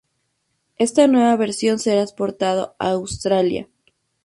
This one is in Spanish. Esta nueva versión será exportado a Australia.